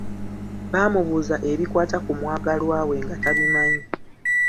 Baamubuuza ebikwata ku mwagalwa we nga tabimanyi.